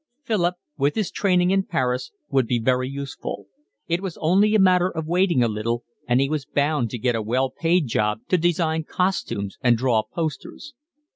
Philip, with his training in Paris, would be very useful; it was only a matter of waiting a little and he was bound to get a well paid job to design costumes and draw posters.